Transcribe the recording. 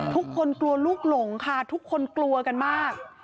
ทุกคนกลัวลูกหลงค่ะทุกคนกลัวกันมาก